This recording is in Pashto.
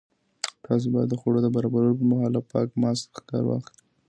تاسو باید د خوړو د برابرولو پر مهال له پاک ماسک څخه کار واخلئ.